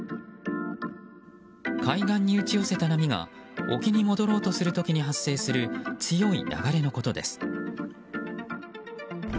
海岸に打ち寄せた波が沖に戻ろうとする時に発生する強い流れのことです。